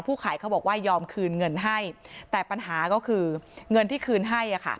ขายเขาบอกว่ายอมคืนเงินให้แต่ปัญหาก็คือเงินที่คืนให้